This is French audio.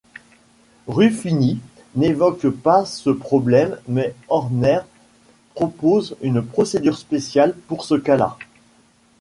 Ruffini n'évoque pas ce problème mais Horner propose une procédure spéciale pour ce cas-là.